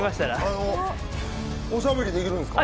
あの、おしゃべりできるんですか？